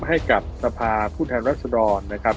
แต่ก็แล้วก็ยังกลับให้กับสภาพพฤษฐานรัฐศรณ